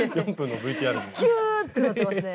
キューッってなってますね。